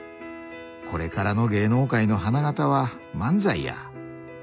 「これからの芸能界の花形は漫才や」。